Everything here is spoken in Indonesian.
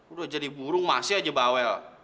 udah jadi burung masih aja bawel